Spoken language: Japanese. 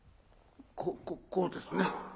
こうですね？